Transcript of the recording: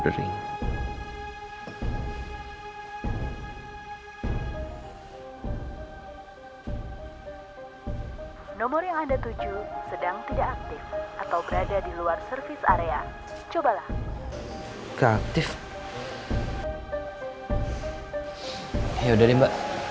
terima kasih ya